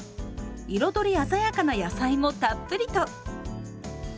彩り鮮やかな野菜もたっぷりと。